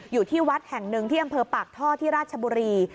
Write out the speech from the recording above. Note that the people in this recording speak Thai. อยู่ที่วัดแห่งหนึ่งที่อำเภอปากท่อที่ราชบุรี